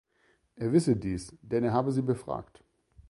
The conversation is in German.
Er wisse dies, denn er habe sie befragt.